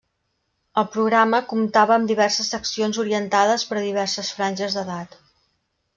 El programa comptava amb diverses seccions orientades per a diverses franges d'edat.